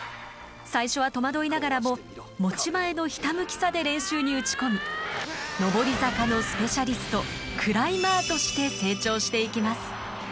最初は戸惑いながらも持ち前のひたむきさで練習に打ち込み上り坂のスペシャリスト「クライマー」として成長していきます。